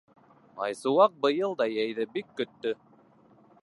Айсыуаҡ быйыл да йәйҙе бик көттө.